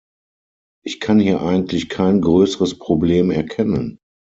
Ich kann hier eigentlich kein größeres Problem erkennen.